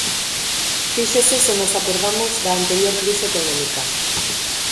¡Fíxese se nos acordamos da anterior crise económica!